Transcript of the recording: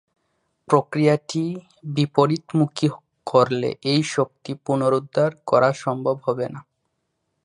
প্রক্রিয়াটি বিপরীতমুখী করলে এই শক্তি পুনরুদ্ধার করা সম্ভব হবে না।